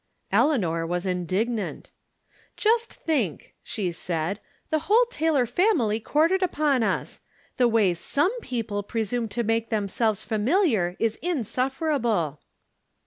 Eleanor was indignant. " Just think," she said, " the whole Taylor family quartered upon us ! The way some peo ple presume to make themselves familiar is insuf ferable